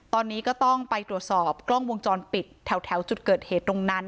ตอนนี้ก็ต้องไปตรวจสอบกล้องวงจรปิดแถวจุดเกิดเหตุตรงนั้น